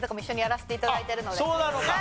そうなのか。